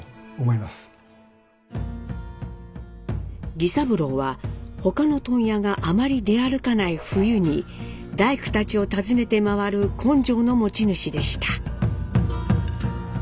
儀三郎は他の問屋があまり出歩かない冬に大工たちを訪ねて回る根性の持ち主でした。